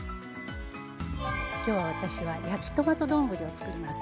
今日私は「焼きトマト丼」をつくります。